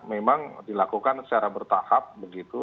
memang dilakukan secara bertahap begitu